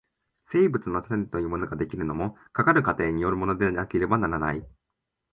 生物の種というものが出来るのも、かかる過程によるものでなければならない。